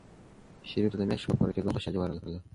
شریف ته د میاشتې په پوره کېدو خوشحالي ورغله.